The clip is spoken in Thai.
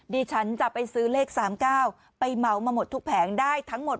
ดิฉันจะไปซื้อเลข๓๙ไปเหมามาหมดทุกแผงได้ทั้งหมด